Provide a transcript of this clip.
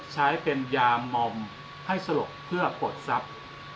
ใช้เป็นยามอมให้สลบเพื่อปลดทรัพย์